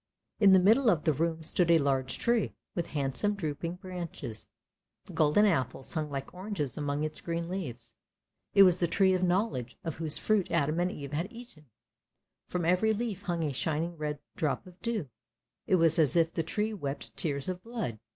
In the middle of the room stood a large tree, with handsome drooping branches; golden apples, hung like oranges among its green leaves. It was the Tree of Knowledge, of whose fruit Adam and Eve had eaten. From every leaf hung a shining red drop of dew, it was as if the tree wept tears of blood.